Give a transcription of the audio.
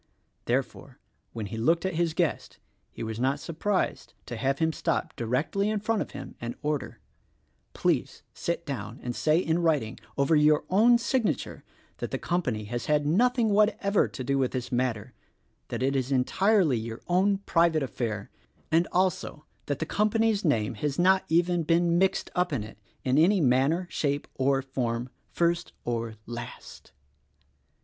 Therefore, when he looked at his guest he was not surprised to have him stop directly in front of him and order: "Please sit down and say in writing, over your own signature, that the company has had nothing what ever to do with this matter ; that it is entirely your own private affair; and also, that the company's name has not even been mixed up in it, in any manner, shape or form — first or last."